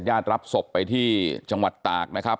รับศพไปที่จังหวัดตากนะครับ